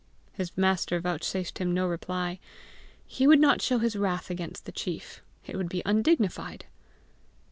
His master vouchsafed him no reply. He would not show his wrath against the chief: it would be undignified!